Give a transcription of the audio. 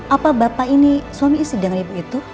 apa bapak ini suami istri dengan ibu itu